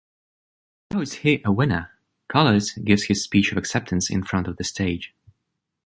How is he a winner? Carlos gives his speech of acceptance in front of the stage.